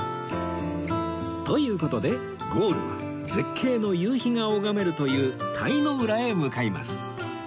という事でゴールは絶景の夕日が拝めるという鯛の浦へ向かいます